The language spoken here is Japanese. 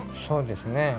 そうですね。